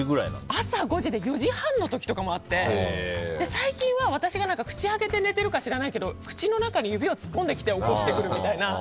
朝４時半の時とかもあって最近は私が口開けて寝ているか知らないけど口の中に指を突っ込んできて起こしてくるみたいな。